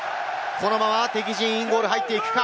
このまま敵陣ゴールに入っていくか。